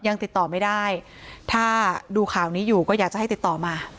ยังติดต่อไม่ได้ถ้าดูข่าวนี้อยู่ก็อยากจะให้ติดต่อมา